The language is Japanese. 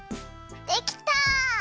できた！